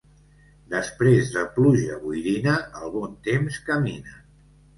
Després de pluja boirina, el bon temps camina.